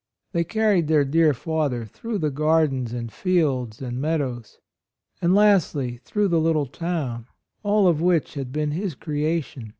They carried their dear Father through the gardens and fields and meadows, and lastly through the little town — all of which had been his creation, AND MOTHER.